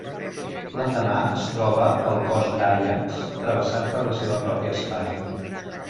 L'endemà es troba el cos d'Àiax travessat per la seva pròpia espasa.